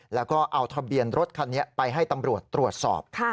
แล้วก็เอาทะเบียนรถคันนี้ไปให้ตำรวจตรวจสอบ